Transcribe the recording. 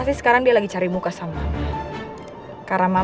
aku harus bikin perhitungan sama reva